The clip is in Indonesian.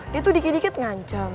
dia tuh dikit dikit nganceng